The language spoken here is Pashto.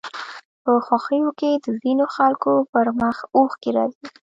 په خوښيو کې د ځينو خلکو پر مخ اوښکې راځي